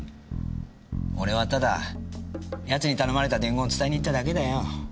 俺はただ奴に頼まれた伝言を伝えに行っただけだよ。